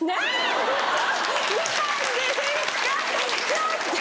ちょっと！